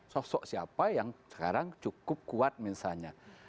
sosok siapa yang sekarang cukup kuat misalnya